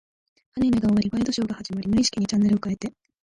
アニメが終わり、ワイドショーが始まり、無意識的にチャンネルを変えて、